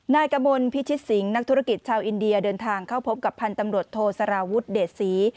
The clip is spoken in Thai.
กระบวนพิชิตสิงห์นักธุรกิจชาวอินเดียเดินทางเข้าพบกับพันธ์ตำรวจโทสารวุฒิเดชศรี